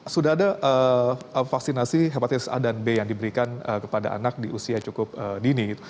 sudah ada vaksinasi hepatitis a dan b yang diberikan kepada anak di usia cukup dini